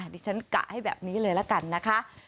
ดิฉันกะให้แบบนี้เลยละกันนะคะ